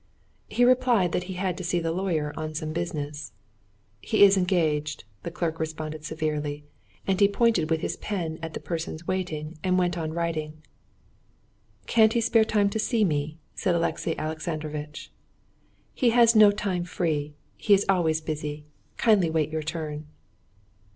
He replied that he had to see the lawyer on some business. "He is engaged," the clerk responded severely, and he pointed with his pen at the persons waiting, and went on writing. "Can't he spare time to see me?" said Alexey Alexandrovitch. "He has no time free; he is always busy. Kindly wait your turn."